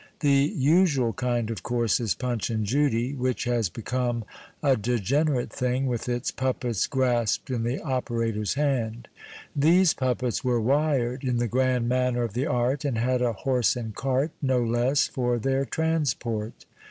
The usual kind, of course, is Punch and Judy, which has become a degenerate thing, with its puppets gras])cd in the operator's hand ; these puppets were wired, in the grand manner of the art, and had a horse and cart, no less, for their transport.